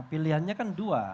pilihannya kan dua